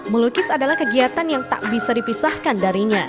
melukis adalah kegiatan yang tak bisa dipisahkan darinya